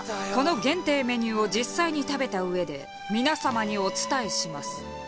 この限定メニューを実際に食べた上で皆様にお伝えします。